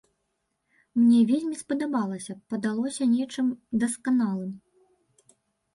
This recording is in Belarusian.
Мне вельмі спадабалася, падалося нечым дасканалым.